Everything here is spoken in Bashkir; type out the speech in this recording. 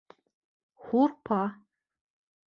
Һурпа